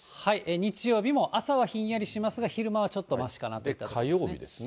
日曜日も朝はひんやりしますが、昼間はちょっとましかなといったところですね。